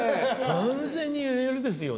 完全に「言える」ですよね。